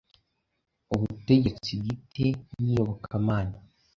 ubutegetsi bwite n'iyobokamana